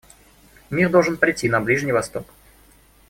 Мир должен придти на Ближний Восток.